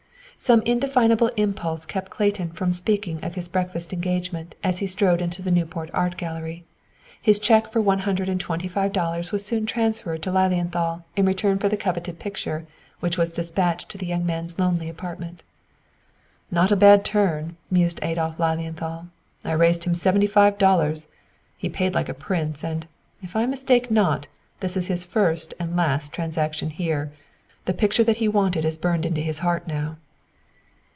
Some indefinable impulse kept Clayton from speaking of his breakfast engagement as he strode into the Newport Art Gallery. His cheque for one hundred and twenty five dollars was soon transferred to Lilienthal in return for the coveted picture, which was dispatched to the young man's lonely apartment. "Not a bad turn," mused Adolf Lilienthal. "I raised him seventy five dollars! He paid like a prince, and, if I mistake not, this is his first and last transaction here. The picture that he wanted is burned into his heart now."